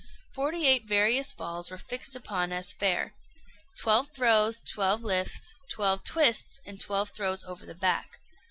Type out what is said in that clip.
Forty eight various falls were fixed upon as fair twelve throws, twelve lifts, twelve twists, and twelve throws over the back.